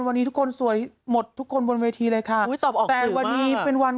วันนี้ทุกคนสวยหมดทุกคนบนเวทีเลยค่ะอุ้ยตอบออกแต่วันนี้เป็นวัน